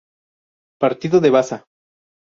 Partido de Baza.